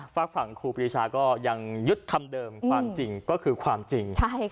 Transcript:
ฝากฝั่งครูปรีชาก็ยังยึดคำเดิมความจริงก็คือความจริง